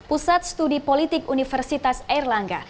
pusat studi politik universitas erlangga